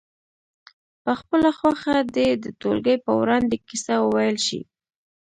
په خپله خوښه دې د ټولګي په وړاندې کیسه وویل شي.